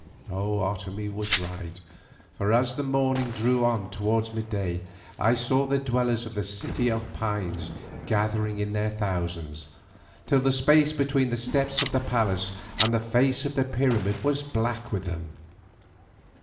Otomie was right, for as the morning drew on towards mid day, I saw the dwellers in the City of Pines gathering in thousands, till the space between the steps of the palace and the face of the pyramid was black with them.